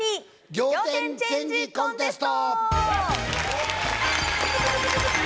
仰天チェンジコンテスト！